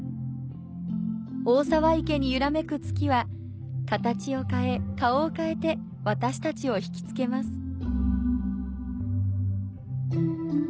大沢池に揺らめく月は、形を変え顔を変えて私たちを惹きつけます。